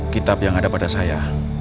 kitab yang ada pada saya